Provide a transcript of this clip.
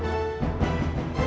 masih ada yang nunggu